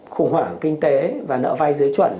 khủng hoảng kinh tế và nợ vai dưới chuẩn